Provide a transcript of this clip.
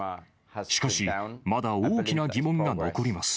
しかし、まだ大きな疑問が残ります。